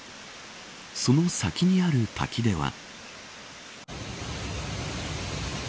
その先にある滝では。